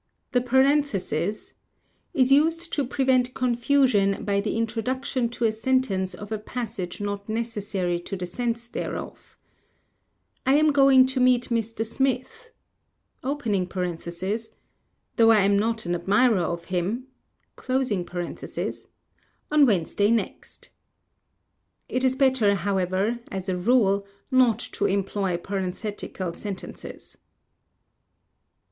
The Parenthesis () is used to prevent confusion by the introduction to a sentence of a passage not necessary to the sense thereof. "I am going to meet Mr. Smith (though I am not an admirer of him) on Wednesday next." It is better, however, as a rule, not to employ parenthetical sentences.